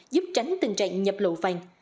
giúp tránh tình trạng nhập lộ vàng